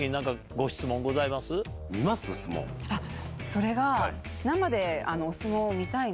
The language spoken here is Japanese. それが。